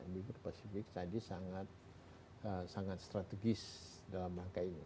bibir pasifik tadi sangat strategis dalam rangka ini